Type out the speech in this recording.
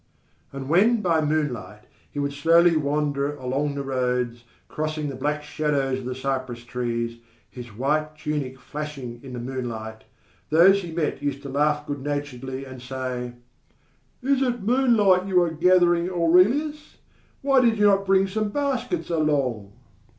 And when by moonlight he would slowly wander along the roads, crossing the black shadows of the cypress trees, his white tunic flashing in the moonlight, those he met used to laugh good naturedly and say: "Is it moonlight that you are gathering, Aurelius? Why did you not bring some baskets along?"